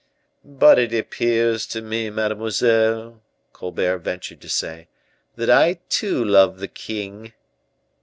"But it appears to me, mademoiselle," Colbert ventured to say, "that I too love the king."